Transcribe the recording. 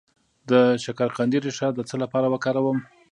د شکرقندي ریښه د څه لپاره وکاروم؟